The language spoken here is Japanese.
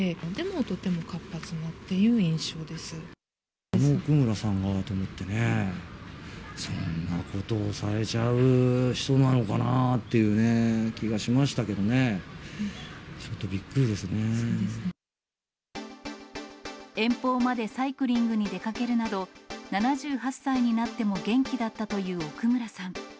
あの奥村さんがと思ってね、そんなことをされちゃう人なのかなっていうね、気がしましたけど遠方までサイクリングに出かけるなど、７８歳になっても元気だったという奥村さん。